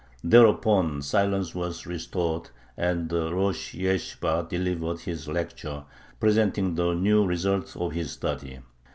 Thereupon silence was restored, and the rosh yeshibah delivered his lecture, presenting the new results of his study.